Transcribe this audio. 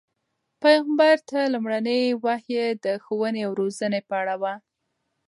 پیغمبر ته لومړنۍ وحی د ښوونې او روزنې په اړه وه.